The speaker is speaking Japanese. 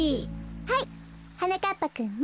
はいはなかっぱくんも。